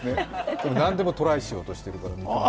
なんでもトライしようとしているから。